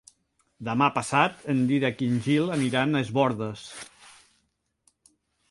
Demà passat en Dídac i en Gil aniran a Es Bòrdes.